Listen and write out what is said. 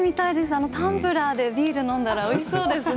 あのタンブラーでビールを飲んだらおいしそうですよね。